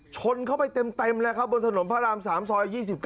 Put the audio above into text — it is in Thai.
ชนเข้าไปเต็มเลยครับบนถนนพระราม๓ซอย๒๙